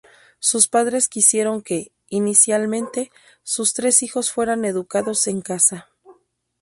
Sus padres quisieron que, inicialmente, sus tres hijos fueran educados en casa.